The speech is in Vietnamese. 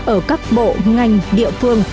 ở các bộ ngành địa phương